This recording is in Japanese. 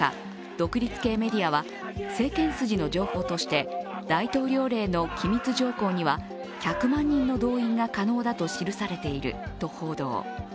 独立系メディアは、政権筋の情報として大統領令の機密条項には１００万人の動員が可能だと記されていると報道。